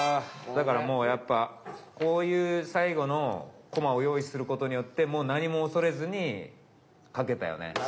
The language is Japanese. だからもうやっぱこういう最後のコマを用意する事によってもう何も恐れずに描けたよね。